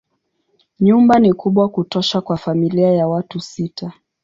Nyumba ni kubwa kutosha kwa familia ya watu sita.